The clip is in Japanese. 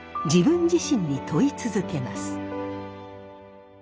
自分自身に問い続けます。